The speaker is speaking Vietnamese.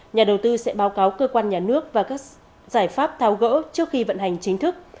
nhà đầu tư sẽ báo cáo cơ quan nhà nước và các giải pháp tháo gỡ trước khi vận hành chính thức